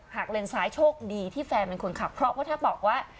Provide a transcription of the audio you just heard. เลนซ้ายโชคดีที่แฟนเป็นคนขับเพราะว่าถ้าบอกว่า